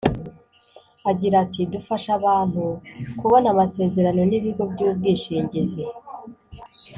Agira ati “Dufasha abantu kubona amasezerano n’ibigo by’ubwishingizi